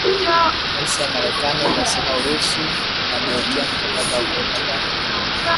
Maafisa wa marekani wanasema Urusi inageukia mkakati wa kuweka taka kwenye vituo vya idadi ya watu nchini Ukraine